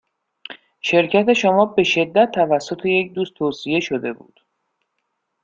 شرکت شما به شدت توسط یک دوست توصیه شده بود.